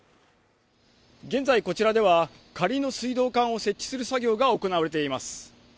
現在こちらでは仮の水道管を設置する作業が行われています